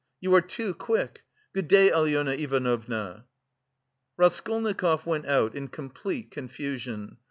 You are too quick.... Good day, Alyona Ivanovna." Raskolnikov went out in complete confusion.